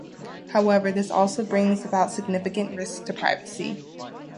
However, this also brings about significant risks to privacy.